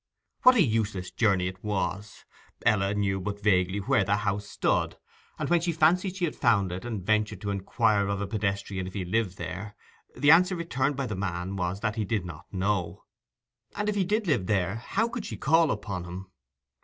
What a useless journey it was! Ella knew but vaguely where the house stood, and when she fancied she had found it, and ventured to inquire of a pedestrian if he lived there, the answer returned by the man was that he did not know. And if he did live there, how could she call upon him?